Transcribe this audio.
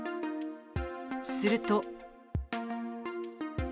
すると。